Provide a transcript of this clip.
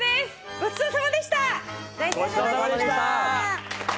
ごちそうさまでした！